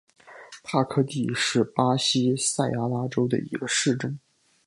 帕科蒂是巴西塞阿拉州的一个市镇。